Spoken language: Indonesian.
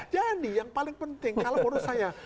jadi yang paling penting kalau menurut saya